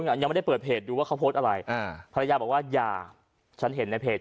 ยังไม่ได้เปิดเพจดูว่าเขาโพสต์อะไรอ่าภรรยาบอกว่าอย่าฉันเห็นในเพจ